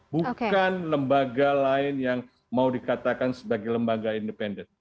bukan lembaga lain yang mau dikatakan sebagai lembaga independen